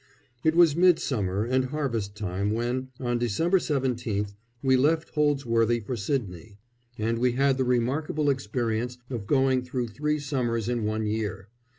It was midsummer and harvest time when, on December 17th, we left Holdsworthy for Sydney, and we had the remarkable experience of going through three summers in one year.